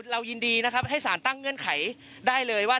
เรายินดีนะครับให้สารตั้งเงื่อนไขได้เลยว่า